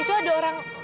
itu ada orang